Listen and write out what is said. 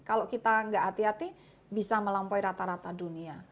kalau kita nggak hati hati bisa melampaui rata rata dunia